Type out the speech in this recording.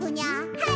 はい。